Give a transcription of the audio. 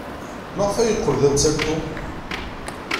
Maɣef ay yeqqel d amsaltu?